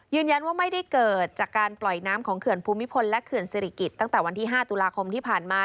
ไม่ได้เกิดจากการปล่อยน้ำของเขื่อนภูมิพลและเขื่อนศิริกิจตั้งแต่วันที่๕ตุลาคมที่ผ่านมา